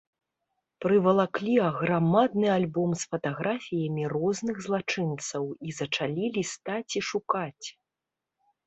Прывалаклі аграмадны альбом з фатаграфіямі розных злачынцаў і зачалі лістаць і шукаць.